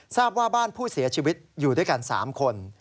ทราบว่าบ้านผู้เสียชีวิตอยู่ด้วยกัน๓คน